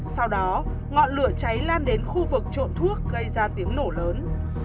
sau đó ngọn lửa cháy lan đến khu vực trộn thuốc gây ra tiếng nổ lớn